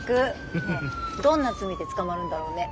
ねえどんな罪で捕まるんだろうね。